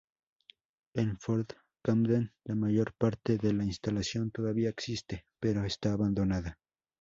En Fort Camden, la mayor parte de la instalación todavía existe, pero está abandonada.